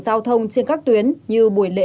giao thông trên các tuyến như buổi lễ